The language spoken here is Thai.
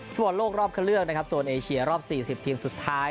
ฟวนโลกรอบเคลือกนะครับโซนเอเชียรอบสี่สิบทีมสุดท้าย